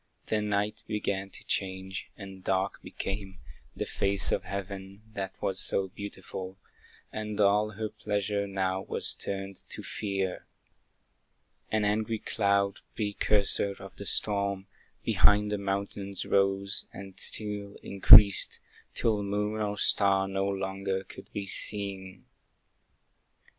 The night began to change, and dark became The face of heaven, that was so beautiful, And all her pleasure now was turned to fear. An angry cloud, precursor of the storm, Behind the mountains rose, and still increased, Till moon or star no longer could be seen.